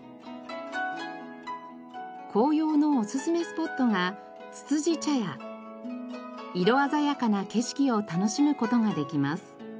紅葉のおすすめスポットが色鮮やかな景色を楽しむ事ができます。